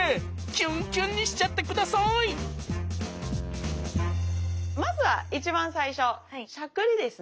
キュンキュンにしちゃって下さいまずは一番最初しゃくりですね。